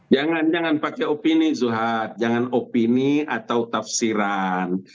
jangan jangan pakai opini zuhad jangan opini atau tafsiran